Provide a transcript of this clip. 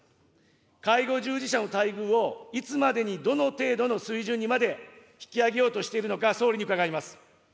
介護従事者の待遇をいつまでにどの程度の水準にまで引き上げようとしているのか、総理に伺います。